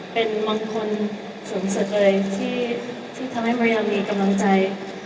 เป็นมงคลสูงสุดเลยที่ทำให้ภรรยามีกำลังใจ